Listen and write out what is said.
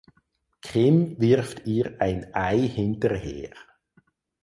Kim wirft ihr ein Ei hinterher.